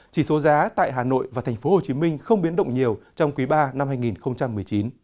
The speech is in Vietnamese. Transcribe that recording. chỉ số giá tại hà nội và tp hcm không biến động nhiều trong quý ba năm hai nghìn một mươi chín